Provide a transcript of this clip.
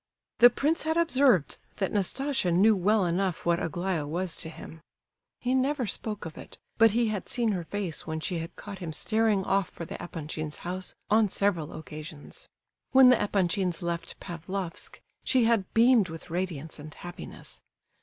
The prince had observed that Nastasia knew well enough what Aglaya was to him. He never spoke of it, but he had seen her face when she had caught him starting off for the Epanchins' house on several occasions. When the Epanchins left Pavlofsk, she had beamed with radiance and happiness.